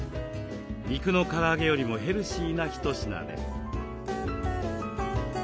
肉のから揚げよりもヘルシーな一品です。